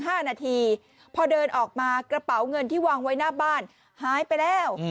ห้านาทีพอเดินออกมากระเป๋าเงินที่วางไว้หน้าบ้านหายไปแล้ว